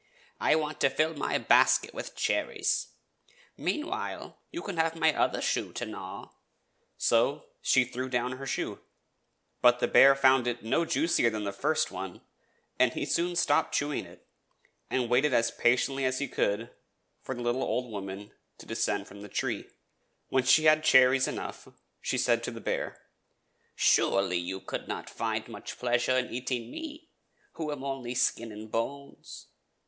"I want to fill my basket with cherries. Mean while, you can have my other shoe to gnaw." So she threw down her other shoe. But the bear found it no juicier than the first one, and he soon stopped chewing it, and waited as patiently as he could for the little old woman to descend from the tree. When she had cherries enough she said to the bear :" Surely, you could not find much pleasure in eating me, who am only skin and bones.